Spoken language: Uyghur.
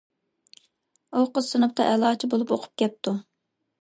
ئۇ قىز سىنىپتا ئەلاچى بولۇپ ئۇقۇپ كەپتۇ.